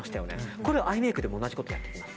これ、アイメイクでも同じことをやっていきます。